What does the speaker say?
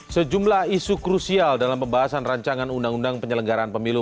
sejumlah isu krusial dalam pembahasan rancangan undang undang penyelenggaraan pemilu